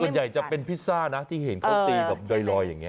ส่วนใหญ่จะเป็นพิซซ่านะที่เห็นเขาตีแบบลอยอย่างนี้